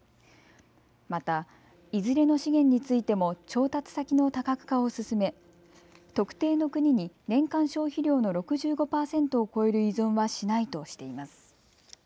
また、いずれの資源についても調達先の多角化を進め特定の国に年間消費量の６５％を超える依存はしないとしています。